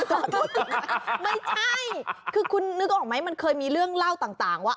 ไม่ใช่คือคุณนึกออกไหมมันเคยมีเรื่องเล่าต่างว่า